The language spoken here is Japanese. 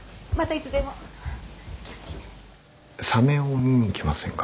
サメを見に行きませんか？